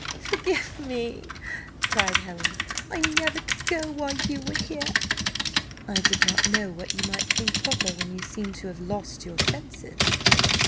"Forgive me!" cried Helen; "I never could go while you were here." "I did not know what you might think proper when you seemed to have lost your senses."